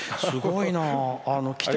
すごいな。